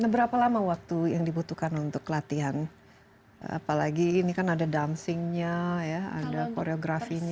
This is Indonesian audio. berapa lama waktu yang dibutuhkan untuk latihan apalagi ini kan ada dumpsingnya ada koreografinya